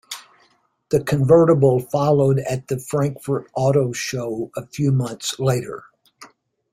The convertible followed at the Frankfurt Auto Show a few months later.